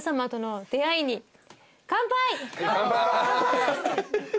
乾杯！